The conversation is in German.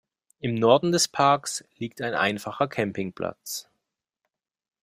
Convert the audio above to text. Im Norden des Parks liegt ein einfacher Campingplatz.